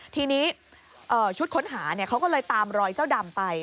ทีนี้ชุดค้นหาเขาก็เลยตามรอยเจ้าดำไป